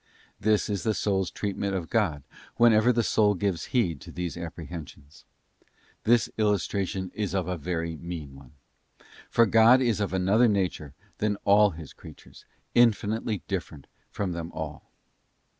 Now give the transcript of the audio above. This is the soul's treatment of God whenever the soul gives heed _ to these apprehensions. This illustration is a very mean one: for God is of another nature than all His creatures, f infinitely different from them all.